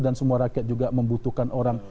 dan semua rakyat juga membutuhkan orang